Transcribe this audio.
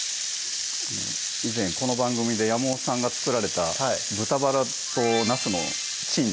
以前この番組で山本さんが作られた「豚バラとなすのチン」